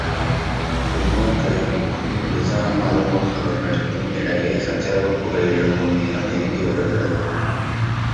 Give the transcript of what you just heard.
உமார் கயாமுக்கும், Nizam al Mulk அவர்களுக்கும் இடையே சச்சரவுப் புகையெழும்பும் நேரம் நெருங்கி வருகிறது.